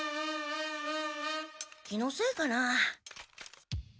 気のせいかなあ。